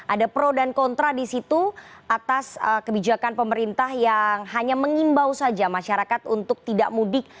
ada pro dan kontra di situ atas kebijakan pemerintah yang hanya mengimbau saja masyarakat untuk tidak mudik